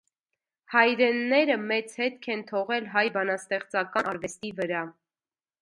Հայրենները մեծ հետք են թողել հայ բանաստեղծական արվեստի վրա։